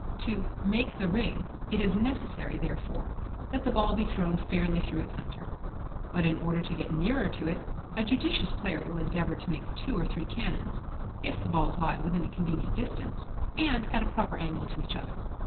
To "make the ring," it is necessary, therefore, that the ball be thrown fairly through its centre. But in order to get nearer to it a judicious player will endeavour to make two or three canons, if the balls lie within a convenient distance and at a proper angle to each other.